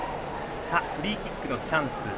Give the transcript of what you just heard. フリーキックのチャンス。